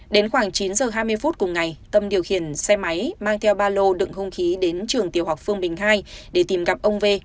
đến khoảng chín giờ hai mươi phút cùng ngày tâm điều khiển xe máy mang theo ba lô đựng hung khí đến trường tiểu học phương bình hai để tìm gặp ông v